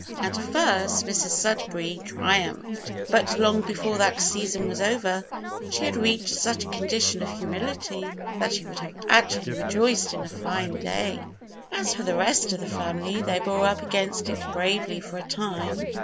At first Mrs Sudberry triumphed; but long before that season was over she had reached such a condition of humility that she would have actually rejoiced in a fine day. As for the rest of the family, they bore up against it bravely for a time.